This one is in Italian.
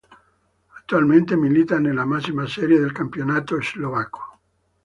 Attualmente milita nella massima serie del campionato slovacco.